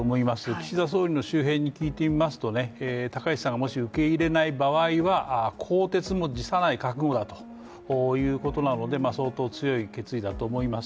岸田総理の周辺に聞いてみますと高市さんがもし受け入れない場合は更迭も辞さない覚悟だということなので相当強い決意だと思います。